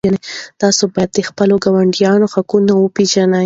تاسو باید د خپلو ګاونډیانو حقوق وپېژنئ.